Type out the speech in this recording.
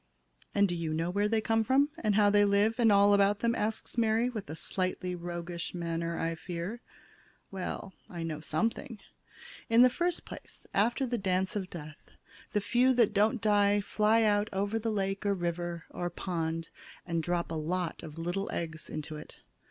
"And do you know where they come from, and how they live, and all about them," asks Mary, with a slightly roguish manner, I fear. "Well, I know something. In the first place, after the dance of death, the few that don't die fly out over the lake or river or pond and drop a lot of little eggs into it.